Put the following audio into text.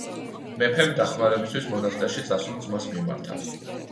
მეფემ დახმარებისათვის მონასტერში წასულ ძმას მიმართა.